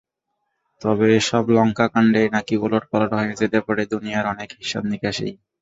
তবে, এসব লঙ্কাকাণ্ডে নাকি ওলটপালট হয়ে যেতে পারে দুনিয়ার অনেক হিসাব-নিকাশই।